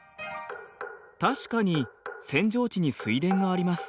確かに扇状地に水田があります。